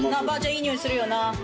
いいにおいするよな。